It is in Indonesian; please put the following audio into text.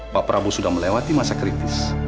pak prabowo sudah melewati masa kritis